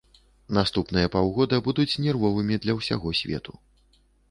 Наступныя паўгода будуць нервовымі для ўсяго свету.